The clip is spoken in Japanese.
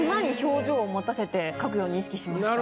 持たせて描くように意識しました。